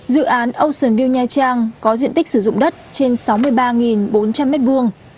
dự án ocean view nha trang có diện tích sử dụng đất trên sáu mươi ba bốn trăm linh m hai